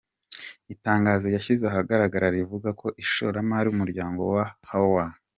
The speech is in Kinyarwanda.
Itangazo yashyize ahagaragara rivuga ko ishoramari umuryango wa Howard G.